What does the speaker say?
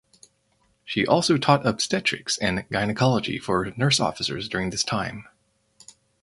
She also taught obstetrics and gynecology for nurse officers during this time.